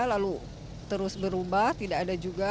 lalu terus berubah tidak ada juga